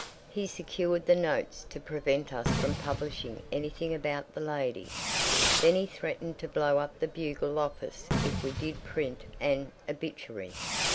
He secured the notes to prevent us from publishing anything about the lady. Then he threatened to blow up the Bugle office if we did print an obituary.